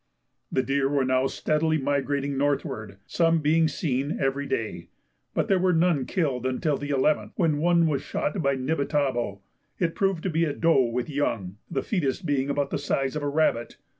The deer were now steadily migrating northward, some being seen every day, but there were none killed until the 11th, when one was shot by Nibitabo; it proved to be a doe with young, the foetus being about the size of a rabbit.